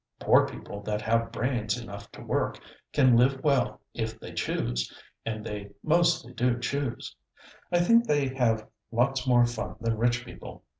Poor people that have brains enough to work, can live well if they choose, and they mostly do choose. I think they have lots more fun than rich people.